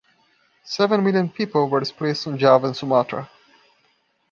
Seven million people were displaced on Java and Sumatra.